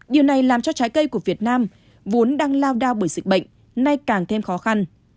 điều này làm cho trái cây của việt nam vốn đang lao đao bởi dịch bệnh nay càng thêm khó khăn